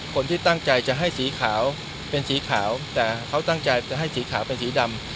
คนที่ตั้งใจจะให้สีขาวเป็นสีขาวแต่เขาตั้งใจจะให้สีขาวเป็นสีดำ